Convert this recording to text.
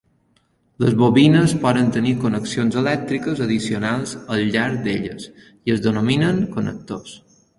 Les bobines poden tenir connexions elèctriques addicionals al llarg d'elles i es denominen connectors.